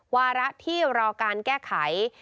วาระที่รอการแก้ไข